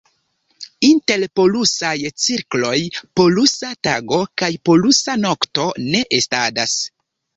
Inter polusaj cirkloj polusa tago kaj polusa nokto ne estadas.